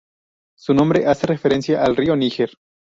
Su nombre hace referencia al río Níger.